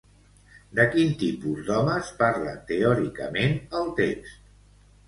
De quin tipus d'homes parla teòricament el text?